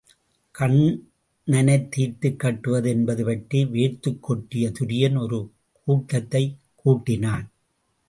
கண்ணனைத் தீர்த்துக் கட்டுவது என்பது பற்றி வேர்த்துக் கொட்டிய துரியன் ஒரு கூட்டத்தைக் கூட்டினான்.